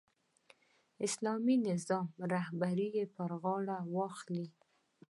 اسلامي نظام رهبري پر غاړه واخلي.